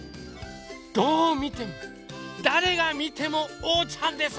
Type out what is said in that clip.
どうみてもだれがみてもおうちゃんです！